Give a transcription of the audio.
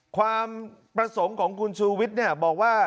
ความประสงค์ของคุณชูวิทย์บอกว่า